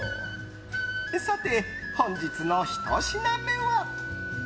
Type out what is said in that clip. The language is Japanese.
さて、本日のひと品目は。